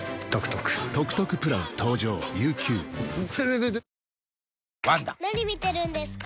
ハロー・何見てるんですか？